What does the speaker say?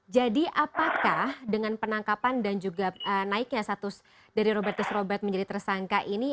jadi apakah dengan penangkapan dan juga naiknya status dari robertus robert menjadi tersangka ini